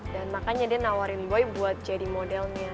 dan makanya dia nawarin boy buat jadi modelnya